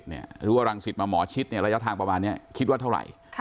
หรือว่ารังสิตมาหมอชิดระยะทางประมาณนี้คิดว่าเท่าไหร่